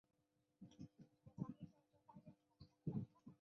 紫色金线鲃为辐鳍鱼纲鲤形目鲤科金线鲃属的其中一种鱼类。